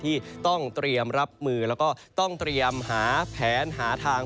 ที่ต้องเตรียมรับมือแล้วก็ต้องเตรียมหาแผนหาทาง